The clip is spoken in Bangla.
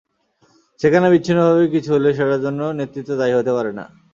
সেখানে বিচ্ছিন্নভাবে কিছু হলে সেটার জন্য নেতৃত্ব দায়ী হতে পারে না।